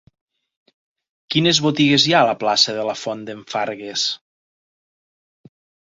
Quines botigues hi ha a la plaça de la Font d'en Fargues?